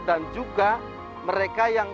dan juga mereka yang